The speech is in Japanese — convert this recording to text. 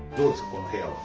この部屋は。